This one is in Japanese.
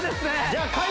じゃあ海